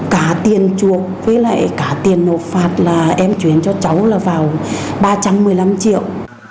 cả tiền chuộc với lại cả tiền nộp phạt là em chuyển cho cháu là vào ba trăm một mươi năm triệu